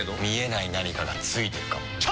見えない何かがついてるかも。